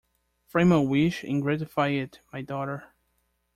Frame a wish and gratify it, my daughter.